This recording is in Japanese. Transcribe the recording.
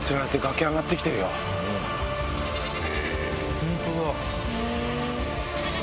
本当だ。